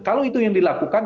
kalau itu yang dilakukan